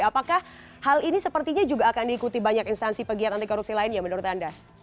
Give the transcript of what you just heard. apakah hal ini sepertinya juga akan diikuti banyak instansi pegiat anti korupsi lainnya menurut anda